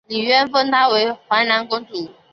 李渊封她为淮南公主。